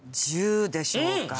１０でしょうか。